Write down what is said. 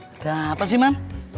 ada apa sih man